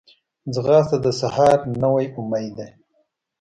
ځغاسته د سحر نوی امید ده